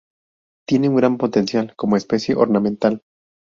Tiene un gran potencial como especie ornamental.